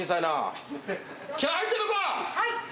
はい！